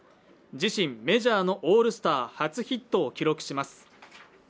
自身、メジャーのオールスター初ヒットを記録します。